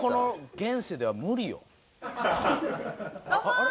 あれ？